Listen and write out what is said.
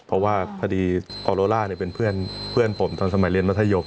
เพราะว่าพอดีกอโลล่าเป็นเพื่อนผมตอนสมัยเรียนมัธยม